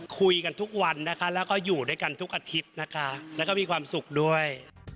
คุยกันทุกวันนะคะแล้วก็อยู่ด้วยกันทุกอาทิตย์นะคะแล้วก็มีความสุขด้วย